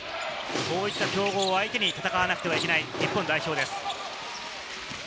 そういった強豪を相手に戦わなくてはいけない日本代表です。